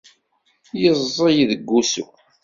Yeẓẓel deg wusu.